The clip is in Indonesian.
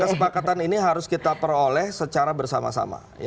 kesepakatan ini harus kita peroleh secara bersama sama